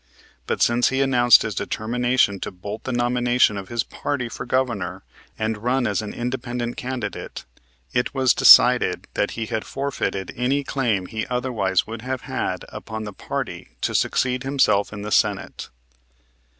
But, since he announced his determination to bolt the nomination of his party for Governor and run as an Independent candidate, it was decided that he had forfeited any claim he otherwise would have had upon the party to succeed himself in the Senate.